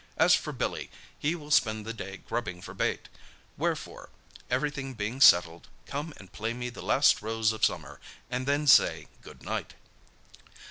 As for Billy, he will spend the day grubbing for bait. Wherefore, everything being settled, come and play me 'The Last Rose of Summer,' and then say good night."